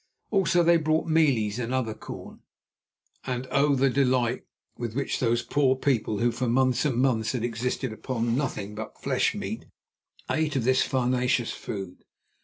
Also, they brought mealies and other corn; and oh! the delight with which those poor people, who for months and months had existed upon nothing but flesh meat, ate of this farinaceous food.